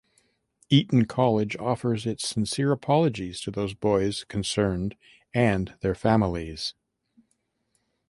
Eton College offers its sincere apologies to those boys concerned and their families.